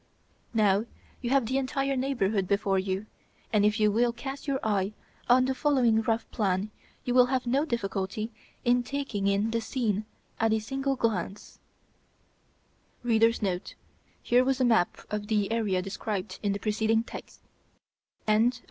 Now you have the entire neighborhood before you, and if you will cast your eye on the following rough plan you will have no difficulty in taking in the scene at a single glance: [Illustration: map of the area described in preceding text] CHAPTER III.